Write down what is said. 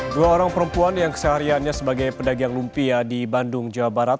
dua orang perempuan yang kesehariannya sebagai pedagang lumpia di bandung jawa barat